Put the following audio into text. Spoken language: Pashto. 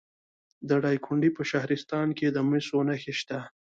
د دایکنډي په شهرستان کې د مسو نښې شته.